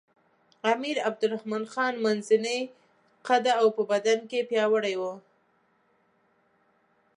امیر عبدالرحمن خان منځنی قده او په بدن کې پیاوړی وو.